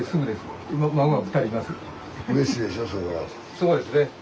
そうですね。